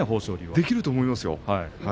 できると思いますよ。